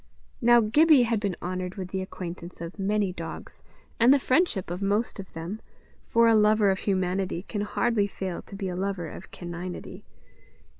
Now Gibbie had been honoured with the acquaintance of many dogs, and the friendship of most of them, for a lover of humanity can hardly fail to be a lover of caninity.